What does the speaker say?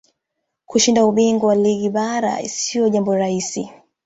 kushinda ubingwa wa ligi mara tatu siyo jambo rahisi